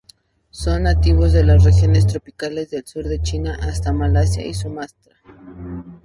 Son nativos de las regiones tropicales del sur de China hasta Malasia y Sumatra.